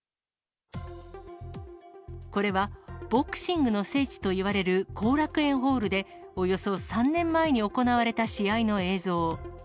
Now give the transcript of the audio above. これは、ボクシングの聖地といわれる後楽園ホールで、およそ３年前に行われた試合の映像。